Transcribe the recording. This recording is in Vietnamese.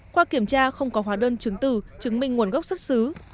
qua kiểm tra không có hóa đơn chứng từ chứng minh nguồn gốc xuất xứ